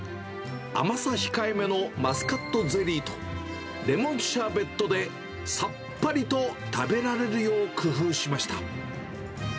甘さ控えめのマスカットゼリーと、レモンシャーベットでさっぱりと食べられるよう工夫しました。